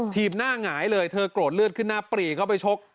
หน้าหงายเลยเธอโกรธเลือดขึ้นหน้าปรีเข้าไปชก